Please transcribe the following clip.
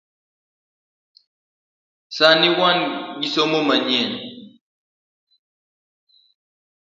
Sani wan gi somo manyien